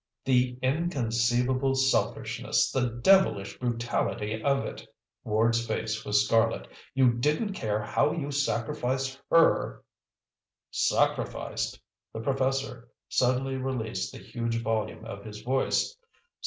"The inconceivable selfishness, the devilish brutality of it!" Ward's face was scarlet. "You didn't care how you sacrificed her " "Sacrificed!" The professor suddenly released the huge volume of his voice.